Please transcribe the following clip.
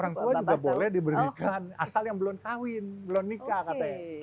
orang tua juga boleh diberikan asal yang belum kawin belum nikah katanya